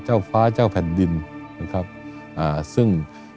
เจ้าฟ้าเจ้าแผ่นดินซึ่ง